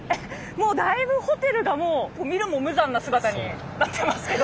もうだいぶホテルがもう見るも無残な姿になってますけど。